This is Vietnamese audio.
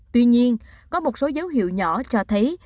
tuy nhiên có một số dấu hiệu nhỏ cho thấy